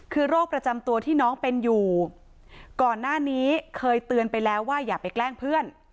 คือโรคประจำตัวที่น้องเป็นอยู่ก่อนหน้านี้เคยเตือนไปแล้วว่าอย่าไปแกล้งเพื่อน